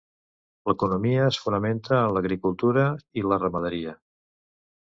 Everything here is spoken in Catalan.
L'economia es fonamenta en l'agricultura i la ramaderia.